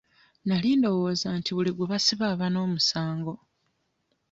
Nali ndowooza nti buli gwe basiba aba n'omusango.